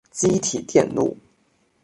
积体电路